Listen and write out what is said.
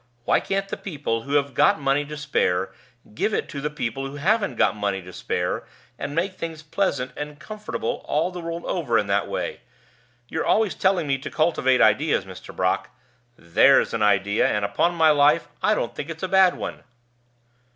Why can't the people who have got money to spare give it to the people who haven't got money to spare, and make things pleasant and comfortable all the world over in that way? You're always telling me to cultivate ideas, Mr. Brock There's an idea, and, upon my life, I don't think it's a bad one."